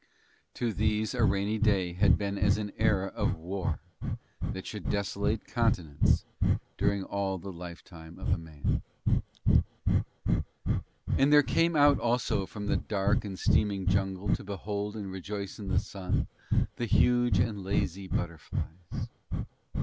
To these a rainy day had been as an era of war that should desolate continents during all the lifetime of a man. And there came out also from the dark and steaming jungle to behold and rejoice in the Sun the huge and lazy butterflies.